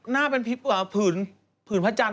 หน้าเป็นผืนผืนพระจันท